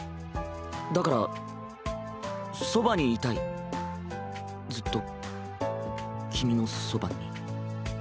だからそばにいたいずっと君のそばに。